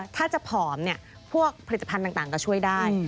ถ้าจะผอมพวกผลิตภัณฑ์ต่างก็ช่วยได้